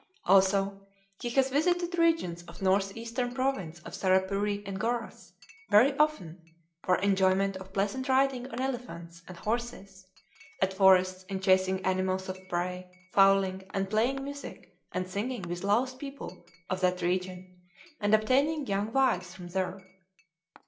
"Also he has visited regions of Northeastern Province of Sarapury and Gorath very often for enjoyment of pleasant riding on Elephants and Horses, at forests in chasing animals of prey, fowling, and playing music and singing with Laos people of that region and obtaining young wives from there."